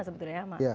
sebetulnya ya mas